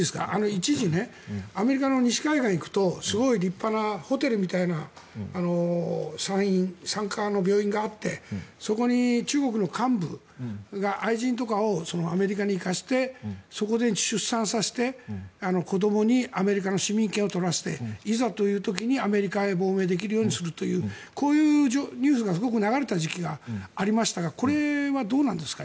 一時、アメリカの西海岸に行くとすごい立派なホテルみたいな産科の病院があってそこに中国の幹部が愛人とかをアメリカに行かしてそこで出産させて、子どもにアメリカの市民権を取らせていざという時にアメリカへ亡命できるようにするというこういうニュースがすごく流れた時期がありましたがこれはどうなんですか？